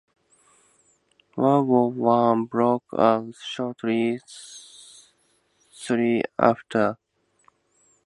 World War One broke out shortly thereafter.